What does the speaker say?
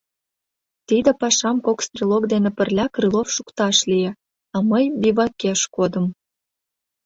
Тиде пашам кок стрелок дене пырля Крылов шукташ лие, а мый бивакеш кодым.